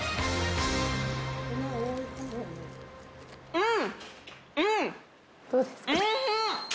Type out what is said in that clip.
うん！